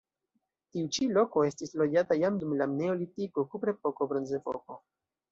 Tiu ĉi loko estis loĝata jam dum la neolitiko, kuprepoko, bronzepoko.